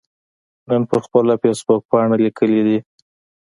نن پر خپله فیسبوکپاڼه لیکلي دي